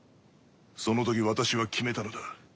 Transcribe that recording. その時私は決めたのだ。